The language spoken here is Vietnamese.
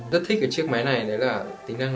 rất thích ở chiếc máy này là tính năng